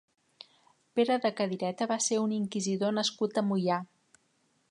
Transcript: Pere de Cadireta va ser un inquisidor nascut a Moià.